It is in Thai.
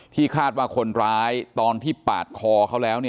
คาดว่าคนร้ายตอนที่ปาดคอเขาแล้ว